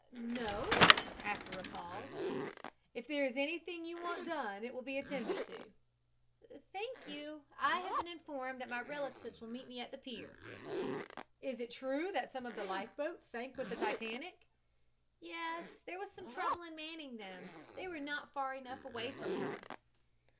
"No," after a pause. "If there is anything you want done it will be attended to." "Thank you. I have been informed that my relatives will meet me at the pier." "Is it true that some of the life boats sank with the Titanic?" "Yes. There was some trouble in manning them. They were not far enough away from her."